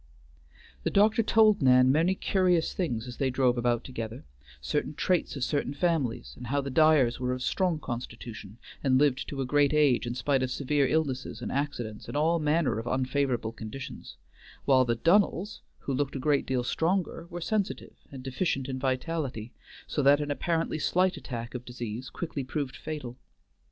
The doctor told Nan many curious things as they drove about together: certain traits of certain families, and how the Dyers were of strong constitution, and lived to a great age in spite of severe illnesses and accidents and all manner of unfavorable conditions; while the Dunnells, who looked a great deal stronger, were sensitive, and deficient in vitality, so that an apparently slight attack of disease quickly proved fatal.